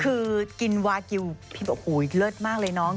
คือกินวากิลพี่บอกโอ้โหเลิศมากเลยน้อง